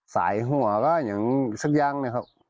สายห้องว่าก็อย่างสักอย่างเนี่ยครับ